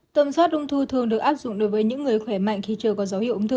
tâm soát ung thư thường được áp dụng đối với những người khỏe mạnh khi chưa có dấu hiệu ung thư